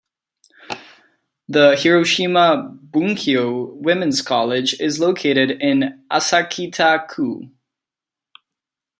The Hiroshima Bunkyo Women's College is located in Asakita-ku.